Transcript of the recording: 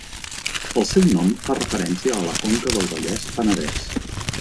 El seu nom fa referència a la conca del Vallès-Penedès.